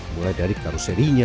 mulai dari karuserinya